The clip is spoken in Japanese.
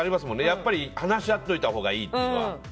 やっぱり話し合っておいたほうがいいというのは。